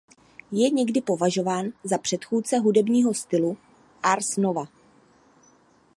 Je někdy považován za předchůdce hudebního stylu ars nova.